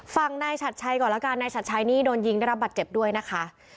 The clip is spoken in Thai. ฝั่งนายชัดชัยก่อนแล้วกันนายฉัดชัยนี่โดนยิงได้รับบัตรเจ็บด้วยนะคะ